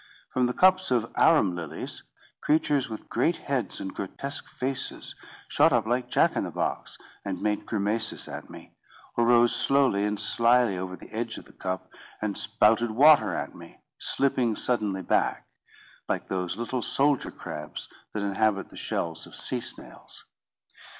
From the cups of Arum lilies, creatures with great heads and grotesque faces shot up like Jack in the box, and made grimaces at me; or rose slowly and slily over the edge of the cup, and spouted water at me, slipping suddenly back, like those little soldier crabs that inhabit the shells of sea snails.